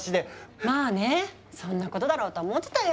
まあねそんなことだろうとは思ってたよ。